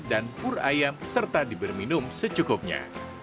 dan pur ayam serta diberi minum secukupnya